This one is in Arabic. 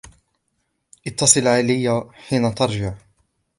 اتصل علي حين ترجع.